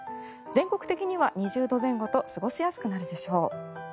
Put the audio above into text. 全国的には２０度前後と過ごしやすくなるでしょう。